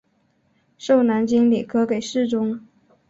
授南京礼科给事中。